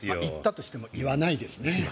行ったとしても言わないですね